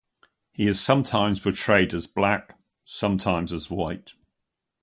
He is sometimes portrayed as black, sometimes as white.